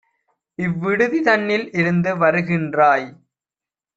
இவ்விடுதி தன்னில் இருந்து வருகின்றாய்!